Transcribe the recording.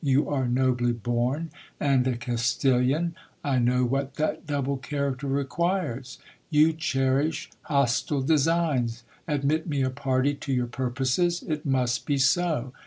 You are nobly bom, and a Castilian : I know what that double character requires. You cherish hostile designs. Admit me a party to your purposes ; it must be so.